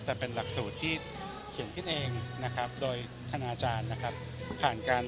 ระบบกระสุนศาสตร์เราใช้เป็นระบบอเมริกัน